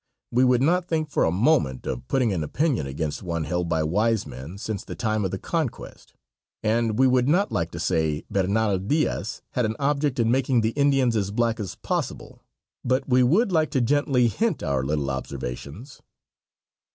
We would not think for a moment of putting an opinion against one held by wise men since the time of the Conquest, and we would not like to say Bernal Diaz had an object in making the Indians as black as possible, but we would like to gently hint our little observations.